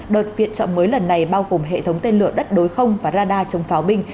đợt viện trợ mới lần này bao gồm hệ thống tên lửa đất đối không và radar chống pháo binh